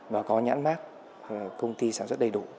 và có nhãn mát công ty sản xuất đầy đủ